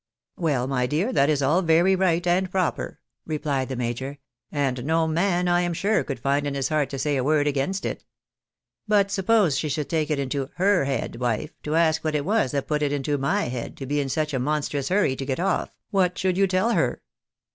" Well, my dear, that is all very right and proper," repUed the major ;" and no man, I am sure, could find in his heart to say a word against it. But suppose she should take it into her head, wife, to ask what it was that put it into my head to be in such a monstrous hurry to get off, what should you tell her